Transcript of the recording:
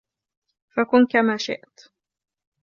فَكُنْ كَمَا شِئْت